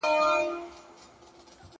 ولې ځینې ونې سږکال په باغ کې حاصل نه ورکوي؟